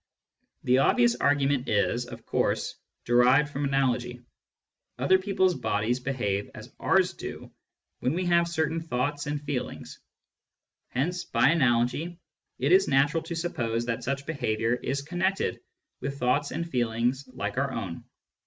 The obvious argument is, of course, derived from analogy. Other people's bodies behave as ours do when we have certain thoughts and feelings ; hence, by analogy, it is natural to suppose that such behaviour is connected with thoughts and feelings like our own.